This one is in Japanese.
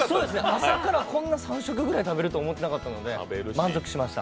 朝からこんな３食ぐらい食べると思ってなかったので満足しました。